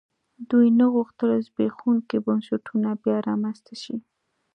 دوی نه غوښتل زبېښونکي بنسټونه بیا رامنځته شي.